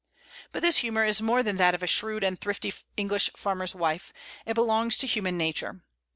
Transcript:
But this humor is more than that of a shrewd and thrifty English farmer's wife; it belongs to human nature.